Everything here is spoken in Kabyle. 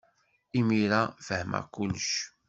Imir-a, fehmeɣ kullec.